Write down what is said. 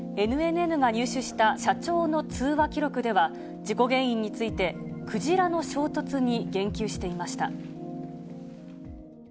ＮＮＮが入手した社長の通話記録では、事故原因について、クジラの衝突に言及していました。